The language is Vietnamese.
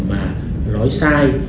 mà nói sai